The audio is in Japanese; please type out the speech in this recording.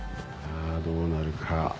どうなるか。